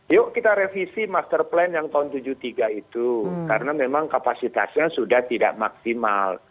yuk kita revisi master plan yang tahun seribu sembilan ratus tujuh puluh tiga itu karena memang kapasitasnya sudah tidak maksimal